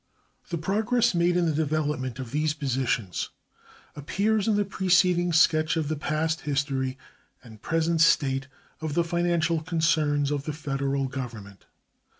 The progress made in the development of these positions appears in the preceding sketch of the past history and present state of the financial concerns of the Federal Government.